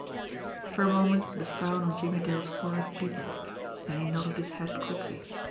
For a moment the frown on Jimmie Dale's forehead deepened, then he nodded his head quickly.